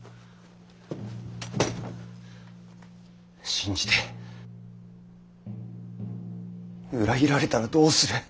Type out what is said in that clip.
信じて裏切られたらどうする。